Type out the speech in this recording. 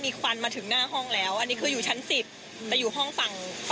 ไม่คืออันนี้คือตัวเองอะ